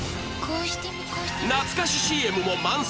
懐かし ＣＭ も満載